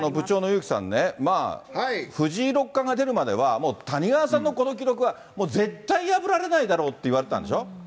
部長のゆうきさんね、藤井六冠が出るまでは、もう谷川さんのこの記録は、もう絶対破られないだろうっていわれてたんでしょ。